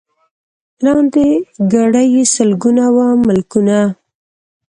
لاندي کړي یې سلګونه وه ملکونه